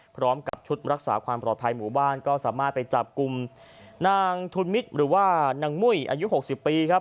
พร้อมกับชุดรักษาความปลอดภัยหมู่บ้านก็สามารถไปจับกลุ่มนางทุนมิตรหรือว่านางมุ้ยอายุ๖๐ปีครับ